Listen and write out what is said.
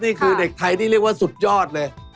นี่คือเด็กไทยที่เรียกว่าสุดยอดเลย